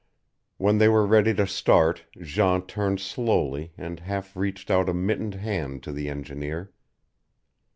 When they were ready to start Jean turned slowly and half reached out a mittened hand to the engineer.